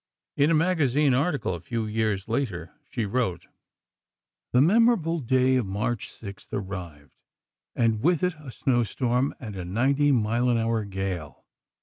In a magazine article, a few years later, she wrote: The memorable day of March 6th arrived, and with it a snow storm and a ninety mile an hour gale.